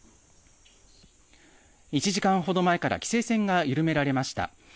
１時間ほど前から規制線が緩められました。